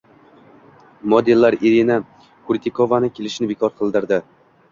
modeler Irina Krutikovani kelishini bekor qildirdi.